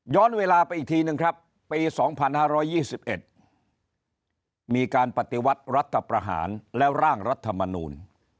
เวลาไปอีกทีนึงครับปี๒๕๒๑มีการปฏิวัติรัฐประหารแล้วร่างรัฐมนูล